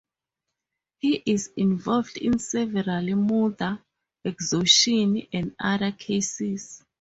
He is involved in several murder, extortion and other cases.